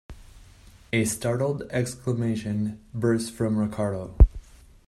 A startled exclamation burst from Ricardo.